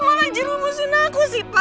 malah jerumusin aku sih pak